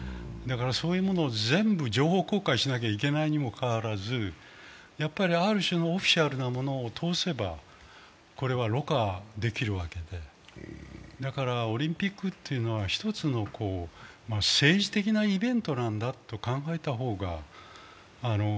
そういうものを全部情報公開しなければいけないにもかかわらずある種のオフィシャルなものを通せばろ過できるわけで、だからオリンピックというのは一つの政治的なイベントなんだと考えた方が。